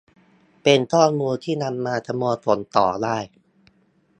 เป็นข้อมูลที่นำมาประมวลผลต่อได้